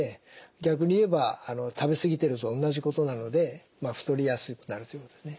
逆に言えば食べ過ぎてるとおんなじことなので太りやすくなるということでね。